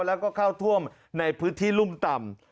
แล้วก็เข้าท่วมในพื้นที่รุ่มต่ำ